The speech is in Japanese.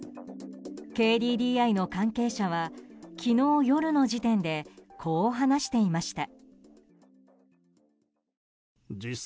ＫＤＤＩの関係者は昨日夜の時点でこう話していました。